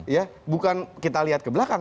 ya bukan kita lihat ke belakang